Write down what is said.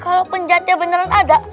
kalau penjahatnya beneran ada